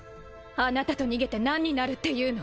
あなたと逃げて何になるっていうの？